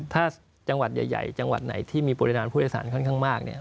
ถ้าจังหวัดใหญ่ที่มีประโยชน์ผู้โดยสารค่อนข้างมากเนี่ย